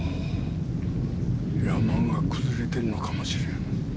山が崩れてるのかもしれん。